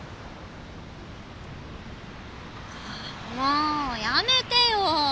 あもうやめてよ。